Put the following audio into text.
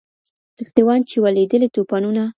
کښتۍ وان چي وه لیدلي توپانونه